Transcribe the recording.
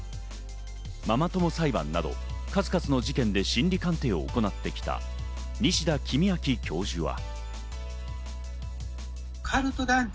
ママ友裁判など数々の事件で心理鑑定を行ってきた西田公昭教授は。